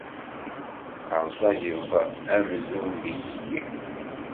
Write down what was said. Rẓageḍ amzun d ilili.